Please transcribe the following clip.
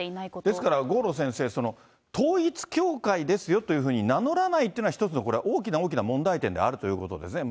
ですから郷路先生、統一教会ですよというふうに名乗らないっていうのが、一つのこれは大きな大きな問題点であるということですね。